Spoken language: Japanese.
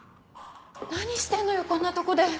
何してんのよこんなとこで。